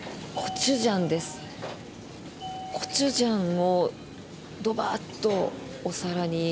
コチュジャンをドバッとお皿に。